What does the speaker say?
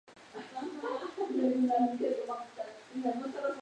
A veces, se le considera seguidor de Antonio del Castillo.